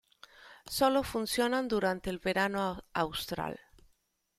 Solo funcionan durante el verano austral.